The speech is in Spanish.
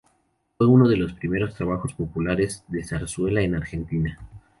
Fue uno de los primeros trabajos populares de zarzuela en Argentina.